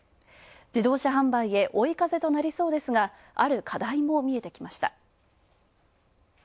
自動車販売へ追い風となりそうですが、ある課題も見えてきました。